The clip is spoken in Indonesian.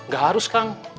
gak harus kang